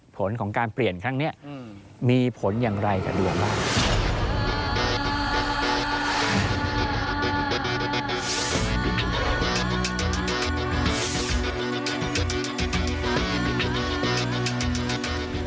ผลของการเปลี่ยนครั้งนี้มีผลอย่างไรกับดวงบ้าง